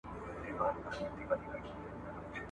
اسلامي حکومت عدالت پلي کوي.